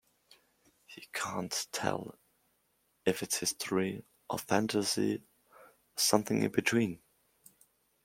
He can't tell if its history, or fantasy, or something in between.